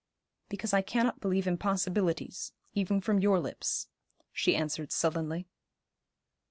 'Because I cannot believe impossibilities, even from your lips,' she answered sullenly.